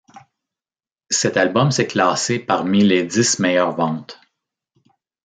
Cet album s'est classé parmi les dix meilleures ventes.